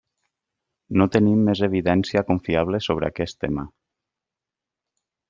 No tenim més evidència confiable sobre aquest tema.